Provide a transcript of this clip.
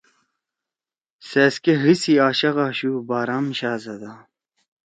ساذ کی حی سی عاشق آشُو بارام شاھزدہ